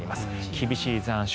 厳しい残暑。